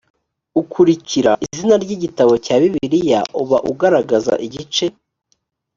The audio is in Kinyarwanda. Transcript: ukurikira izina ry igitabo cya bibiliya uba ugaragaza igice